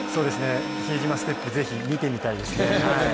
比江島ステップぜひ、見てみたいですね。